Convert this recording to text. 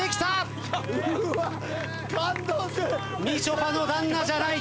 みちょぱの旦那じゃない。